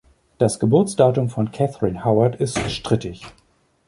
Das Geburtsdatum von Catherine Howard ist strittig.